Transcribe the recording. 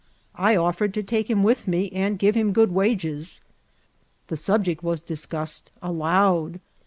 I offered to take him with me and give him good wages. The subject was duKSUSSed aloud.